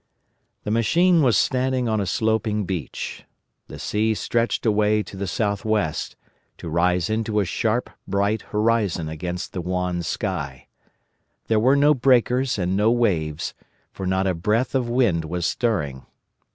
"The machine was standing on a sloping beach. The sea stretched away to the south west, to rise into a sharp bright horizon against the wan sky. There were no breakers and no waves, for not a breath of wind was stirring.